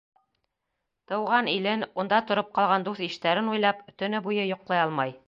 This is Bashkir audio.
Тыуған илен, унда тороп ҡалған дуҫ-иштәрен уйлап, төнө буйы йоҡлай алмай.